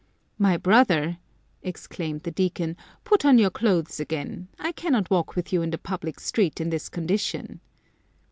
"My brother!" exclaimed the Deacon, " put on your clothes again. I cannot walk with you in the public street in this condition."